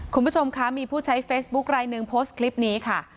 คุณผู้ชมคะมีผู้ใช้เฟซบุ๊คลายหนึ่งโพสต์คลิปนี้ค่ะ